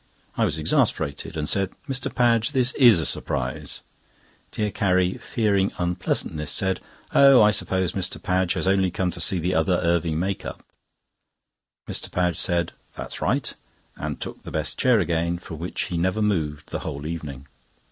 I was exasperated, and said: "Mr. Padge, this is a surprise." Dear Carrie, fearing unpleasantness, said: "Oh! I suppose Mr. Padge has only come to see the other Irving make up." Mr. Padge said: "That's right," and took the best chair again, from which he never moved the whole evening.